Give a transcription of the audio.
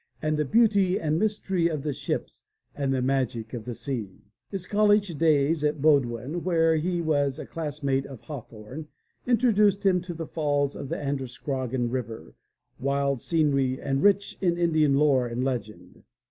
And the beauty and mystery of the ships, And the magic of the sea" His college days at Bowdoin, where he was a classmate of Hawthorne, introduced him to the falls of the Androscoggin River, wild scenery and rich in Indian lore and legend.